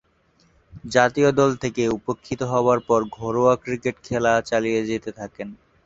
জাতীয় দল থেকে উপেক্ষিত হবার পর ঘরোয়া ক্রিকেটে খেলা চালিয়ে যেতে থাকেন।